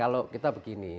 kalau kita begini